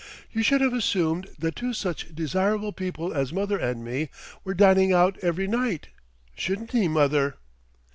"You should have assumed that two such desirable people as mother and me were dining out every night, shouldn't he, mother?"